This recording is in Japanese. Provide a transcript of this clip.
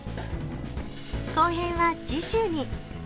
後編は次週に。